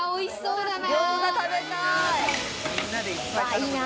いいな。